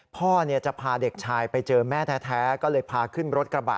พ่อจะพาเด็กชายไปเจอแม่แท้ก็เลยพาขึ้นรถกระบะ